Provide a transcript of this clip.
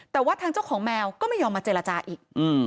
แต่ว่าทางเจ้าของแมวก็ไม่ยอมมาเจรจาอีก